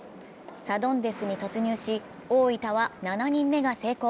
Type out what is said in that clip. サドンデスに突入し、大分は７人目が成功。